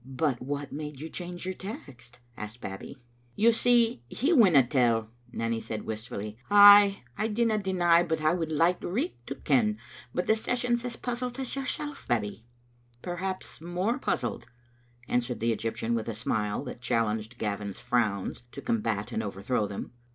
"But what made you change your text?" asked Babbie. "You see he winna tell," Nanny said, wistfully. " Ay, I dinna deny but what I would like richt to ken. But the session's as puzzled as yoursel*. Babbie." "Perhaps more puzzled," answered the Egyptian, with a smile that challenged Gavin's frowns to combat and overthrow them.